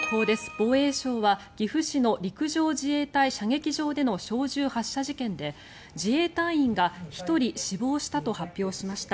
防衛省は岐阜市の陸上自衛隊射撃場での小銃発射事件で自衛隊員が１人死亡したと発表しました。